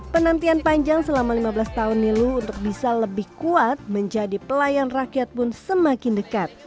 penantian panjang selama lima belas tahun nilu untuk bisa lebih kuat menjadi pelayan rakyat pun semakin dekat